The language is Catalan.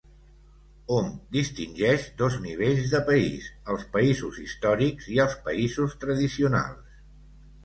Hom distingeix dos nivells de país: els països històrics i els països tradicionals.